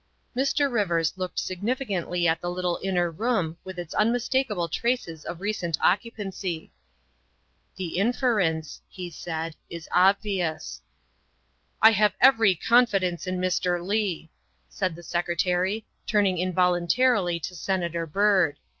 Mr. Rivers looked significantly at the little inner room with its unmistakable traces of recent occupancy. '' The inference, '' he said, '' is obvious. ''" I have every confidence in Mr. Leigh," said the Secretary, turning involuntarily to Senator Byrd.